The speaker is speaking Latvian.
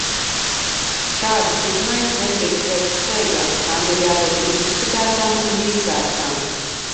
Šādas izmaiņas nedrīkst veikt steigā, tām ir jābūt izdiskutētām un izsvērtām.